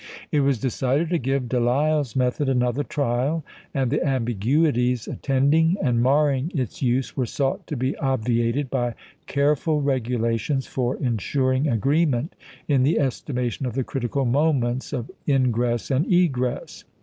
It was decided to give Delisle's method another trial; and the ambiguities attending and marring its use were sought to be obviated by careful regulations for insuring agreement in the estimation of the critical moments of ingress and egress.